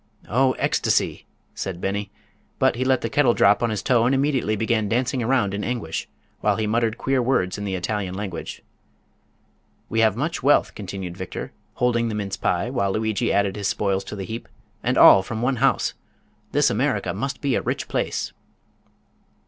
"Oh, ecstacy!" said Beni; but he let the kettle drop on his toe and immediately began dancing around in anguish, while he muttered queer words in the Italian language. "We have much wealth," continued Victor, holding the mince pie while Lugui added his spoils to the heap; "and all from one house! This America must be a rich place."